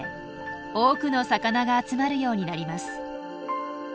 多くの魚が集まるようになります。